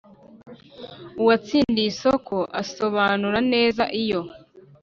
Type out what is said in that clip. uwatsindiye isoko asobanura neza iyo